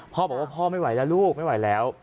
พ่อบอกว่าพ่อไม่ไหวแล้วลูกไม่ไหวแล้ว